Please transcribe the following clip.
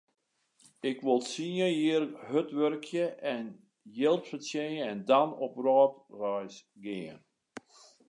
Ik wol tsien jier hurd wurkje en jild fertsjinje en dan op wrâldreis gean.